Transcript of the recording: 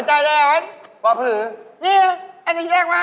อันนี้เนี่ยอะไรวะ